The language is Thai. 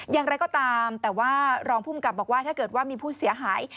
อย่างไรก็ตามแต่ว่ารองภูมิกับบอกว่าถ้าเกิดว่ามีผู้เสียหาย